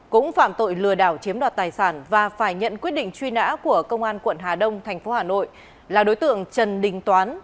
cũng phạm tội lừa đảo chiếm đoạt tài sản và phải nhận quyết định truy nã của công an quận hà đông thành phố hà nội là đối tượng trần đình toán